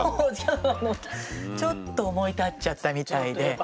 ちょっと思い立っちゃったみたいで。